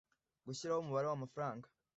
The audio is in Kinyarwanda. Gushyiraho umubare w amafaranga